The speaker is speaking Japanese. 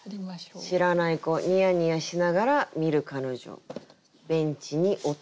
「知らない子ニヤニヤしながら見る彼女ベンチにおとなり」。